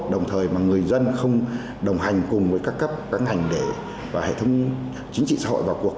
đồng thời mà người dân không đồng hành cùng với các cấp các ngành để và hệ thống chính trị xã hội vào cuộc